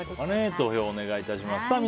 投票をお願いいたします。